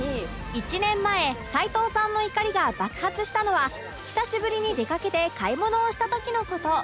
１年前齊藤さんの怒りが爆発したのは久しぶりに出かけて買い物をした時の事